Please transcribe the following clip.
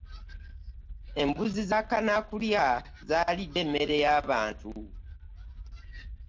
Embuzi za kanakulya zaalidde emmere yabantu.